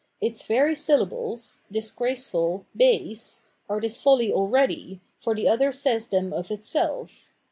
Its very syllables, " disgraceful, " "base," are this folly already, for the other says them of itself.